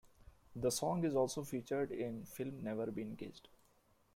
The song is also featured in the film Never Been Kissed.